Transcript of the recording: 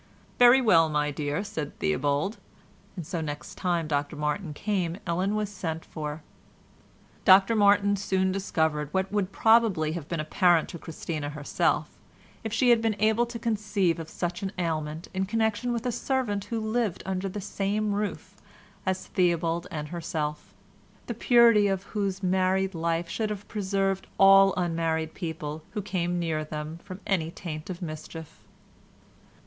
"Very well, my dear," said Theobald, and so next time Dr Martin came Ellen was sent for. Dr Martin soon discovered what would probably have been apparent to Christina herself if she had been able to conceive of such an ailment in connection with a servant who lived under the same roof as Theobald and herself—the purity of whose married life should have preserved all unmarried people who came near them from any taint of mischief.